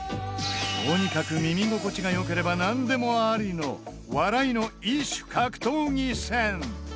とにかく耳心地がよければ何でもありの笑いの異種格闘技戦。